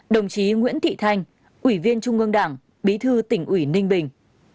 ba mươi năm đồng chí nguyễn thị thanh ủy viên trung ương đảng bí thư tỉnh ủy ninh bình